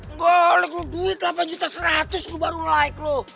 nggak oleg lu duit delapan juta seratus lu baru like lo